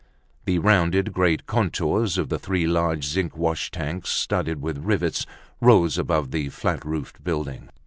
The rounded, gray contours of the three large zinc wash tanks, studded with rivets, rose above the flat roofed building.